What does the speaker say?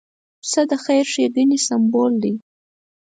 پسه د خیر ښېګڼې سمبول دی.